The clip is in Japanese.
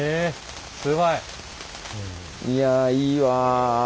すごい！いやいいわあ。